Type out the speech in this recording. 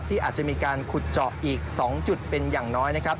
ที่อาจจะมีการขุดเจาะอีก๒จุดเป็นอย่างน้อย